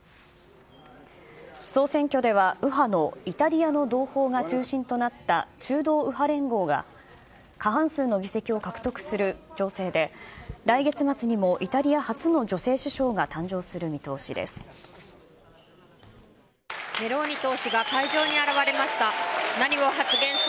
総選挙では右派のイタリアの同胞が中心となった中道右派連合が、過半数の議席を獲得する情勢で、来月末にもイタリア初の女性首相が誕生する見通しです。